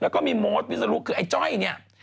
แล้วก็มีโมทวิศนุคือไอ้จ้อยเนี่ย